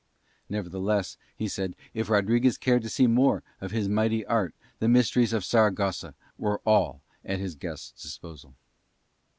Nevertheless, he said, if Rodriguez cared to see more of his mighty art the mysteries of Saragossa were all at his guest's disposal.